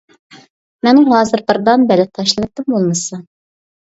مەنغۇ ھازىر بىر دانە بىلەت تاشلىۋەتتىم بولمىسا.